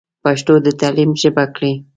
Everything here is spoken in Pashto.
پښتو د تعليم ژبه کړئ.